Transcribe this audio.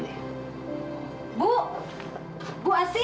tapi udah engga bawa lagi